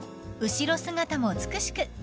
［後ろ姿も美しく］